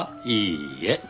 いいえ。